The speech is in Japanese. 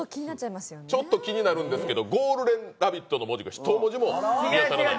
ちょっと気になるんですけど「ゴールデンラヴィット！」の文字が一文字も見当たらない。